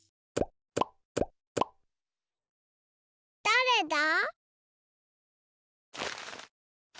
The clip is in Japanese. だれだ？